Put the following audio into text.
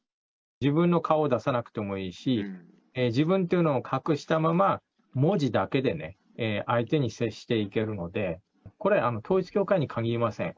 自分の顔を出さなくてもいいし、自分っていうのを隠したまま、文字だけでね、相手に接していけるので、これ、統一教会にかぎりません。